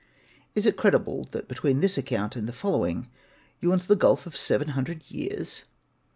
Is it credible that between this account and the following yawns the gulf of seven hundred years?